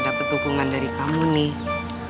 dapat dukungan dari kamu nih